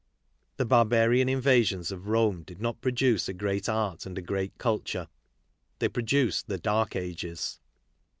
The barbarian invasions of Rome did not produce a great art and a great culture, they produced the dark ages.